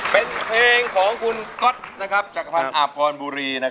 เป็นเพลงของคุณก๊อตจักรพรรดิอาบภรรณบุรี